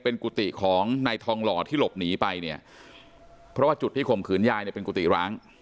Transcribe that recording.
เป็นกุฏิของนายทองหล่อที่หลบหนีไปเนี่ยเพราะว่าจุดที่ข่มขืนยายเนี่ยเป็นกุฏิร้าง